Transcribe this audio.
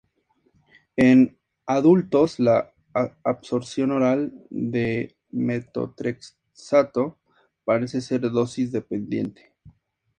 En adultos, la absorción oral de metotrexato parece ser dosis dependiente.